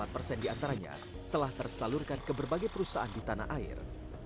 sembilan puluh empat persen di antaranya telah tersalurkan ke berbagai perusahaan di tanah air